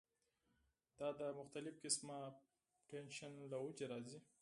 دا د مختلف قسمه ټېنشن له وجې راځی